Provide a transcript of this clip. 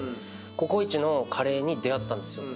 ココイチのカレーに出合ったんですよ。